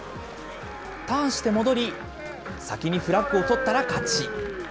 ターンして戻り、先にフラッグを取ったら勝ち。